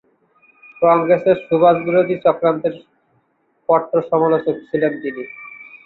কংগ্রেসের সুভাষ-বিরোধী চক্রান্তের কট্টর সমালোচক ছিলেন তিনি।